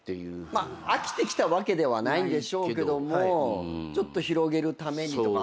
まっ飽きてきたわけではないでしょうけどもちょっと広げるためにとかあったのかな。